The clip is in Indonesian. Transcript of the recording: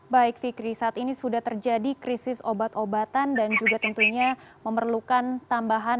baik fikri saat ini sudah terjadi krisis obat obatan dan juga tentunya memerlukan tambahan